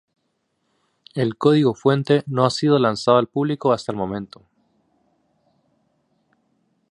El código fuente no ha sido lanzado al público hasta el momento.